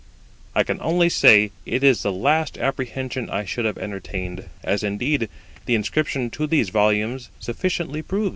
I can only say, it is the last apprehension I should have entertained, as indeed the inscription to these volumes sufficiently proves.